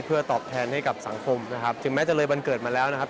เพื่อตอบแทนให้กับสังคมนะครับถึงแม้จะเลยวันเกิดมาแล้วนะครับ